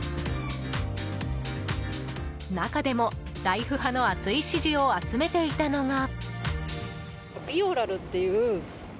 中でもライフ派の熱い支持を集めていたのが。